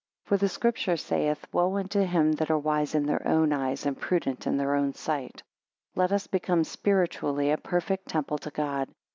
For the Scripture saith; Woe unto them that are wise in their own eyes; and prudent in their sight. 12 Let us become spiritually a perfect temple to God.